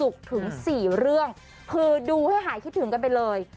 คือดูให้หายคิดถึงกันไปเลย